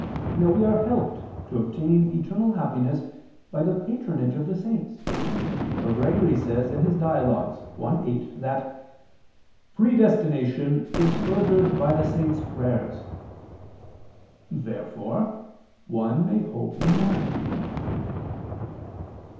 Now we are helped to obtain eternal happiness by the patronage of the saints, for Gregory says (Dial. i, 8) that "predestination is furthered by the saints' prayers." Therefore one may hope in man.